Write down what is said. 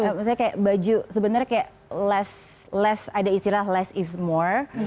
misalnya kayak baju sebenarnya kayak less ada istilah less is more